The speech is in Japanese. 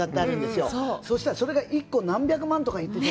よそしたらそれが１個何百万とか言ってたよね